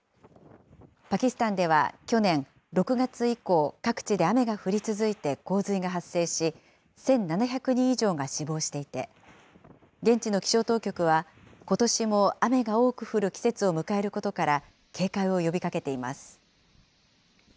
パキスタンでは去年６月以降、各地で雨が降り続いて洪水が発生し、１７００人以上が死亡していて、現地の気象当局は、ことしも雨が多く降る季節を迎えることから、警戒を呼びかけています。